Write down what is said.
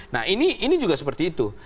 nah ini juga seperti itu